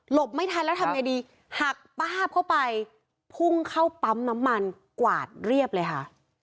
ไม่ทันแล้วทำไงดีหักป้าบเข้าไปพุ่งเข้าปั๊มน้ำมันกวาดเรียบเลยค่ะ